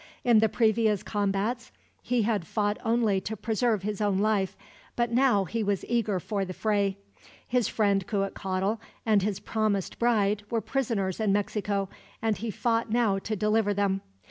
In the previous combats he had fought only to preserve his own life, but now he was eager for the fray. His friend Cuitcatl and his promised bride were prisoners in Mexico, and he fought now to deliver them.